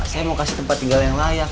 saya mau kasih tempat tinggal yang layak